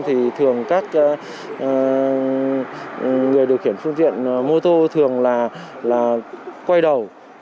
thì thường các người điều khiển phương tiện mô tô thường là quay đầu